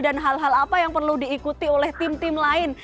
dan hal hal apa yang perlu diikuti oleh tim tim lain